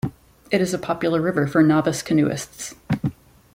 It is a popular river for novice canoeists.